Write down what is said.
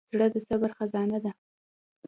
زړه د صبر خزانه ده.